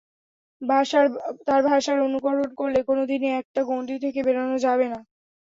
তাঁর ভাষার অনুকরণ করলে কোনো দিনই একটা গণ্ডি থেকে বেরোনো যাবে না।